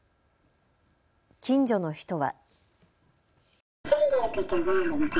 近所の人は。